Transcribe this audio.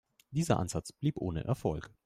Dieser Ansatz blieb ohne Erfolg.